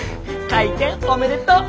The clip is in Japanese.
開店おめでとう！